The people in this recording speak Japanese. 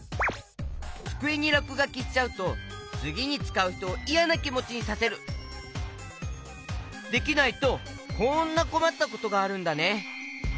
つくえにらくがきしちゃうとつぎにつかうひとをできないとこんなこまったことがあるんだね！